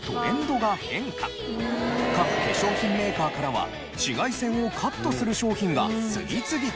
各化粧品メーカーからは紫外線をカットする商品が次々と発売。